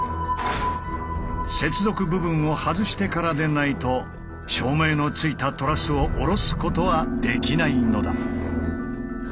接続部分を外してからでないと照明のついたトラスをおろすことはできないのだ。